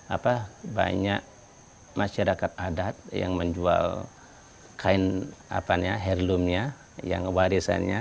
apa banyak masyarakat adat yang menjual kain apa ya heirloomnya yang warisannya